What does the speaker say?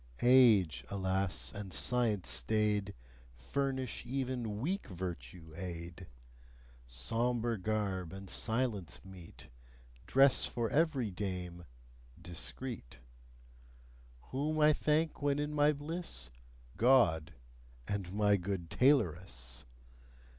Age, alas! and science staid, Furnish even weak virtue aid. Sombre garb and silence meet: Dress for every dame discreet. Whom I thank when in my bliss? God! and my good tailoress!